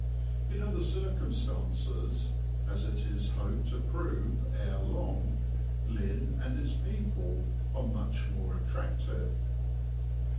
In other circumstances, as it is hoped to prove ere long, Lynn and its people are much more attractive.